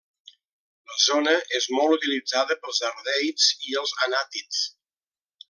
La zona és molt utilitzada pels ardeids i els anàtids.